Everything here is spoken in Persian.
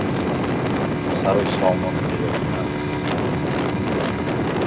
سروسامان گرفتن